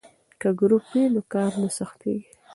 که ګروپ وي نو کار نه سختیږي.